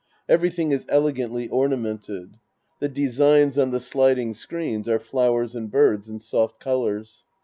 Everything is elegantly ornament ed. The designs on the sliding screens are flowers and birds in soft colors.